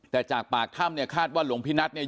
แต่จากปากถ้ำเนี่ยคาดว่าหลวงพี่นัทเนี่ย